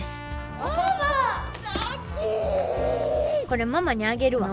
これママにあげるわ。